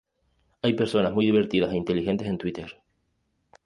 Hay personas muy divertidas e inteligentes en Twitter.